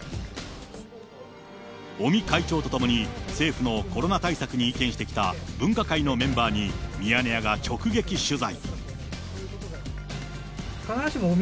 尾身会長と共に政府のコロナ対策に意見してきた分科会のメンバーに、ミヤネ屋が直撃取材。